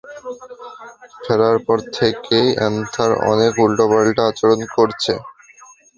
ফেরার পর থেকেই এস্থার অনেক উল্টোপাল্টা আচরণ করছে।